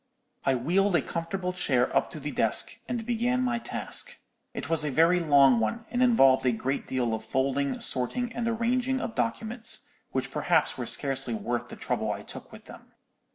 "I wheeled a comfortable chair up to the desk, and began my task. It was a very long one, and involved a great deal of folding, sorting, and arranging of documents, which perhaps were scarcely worth the trouble I took with them.